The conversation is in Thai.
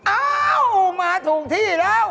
อ้าวมาถูกที่แล้ว